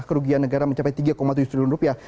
kerugian negara mencapai tiga tujuh triliun rupiah